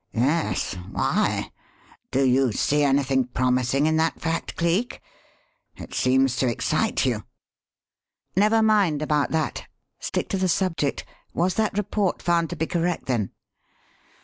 "Yes. Why? Do you see anything promising in that fact, Cleek? It seems to excite you." "Never mind about that. Stick to the subject. Was that report found to be correct, then?"